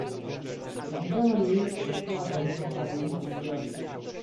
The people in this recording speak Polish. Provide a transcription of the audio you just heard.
"Powiedziano mi, że prawo nie może panu nic zrobić."